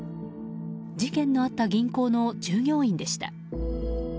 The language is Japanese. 事件のあった銀行の従業員でした。